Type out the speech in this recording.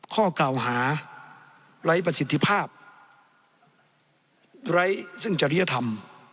ข้อกล่าวหาไร้ประสิทธิภาพไร้ซึ่งจริยธรรม